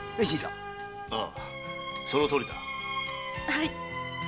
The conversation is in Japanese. はい。